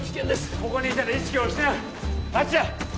ここにいたら意識を失うあっちだ